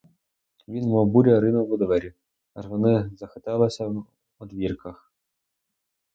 Він, мов буря, ринув у двері, аж вони захиталися в одвірках.